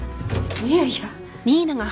いやいや。